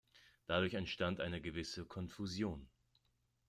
Dadurch entstand eine gewisse Konfusion.